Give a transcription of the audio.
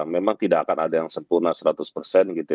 memang tidak akan ada yang sempurna seratus persen gitu